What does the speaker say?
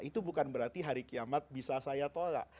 itu bukan berarti hari kiamat bisa saya tolak